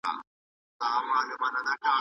تاریخي حقایق باید تحریف نه سي.